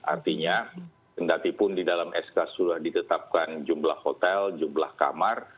artinya kendatipun di dalam sk sudah ditetapkan jumlah hotel jumlah kamar